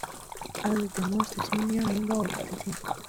As the most senior member of the team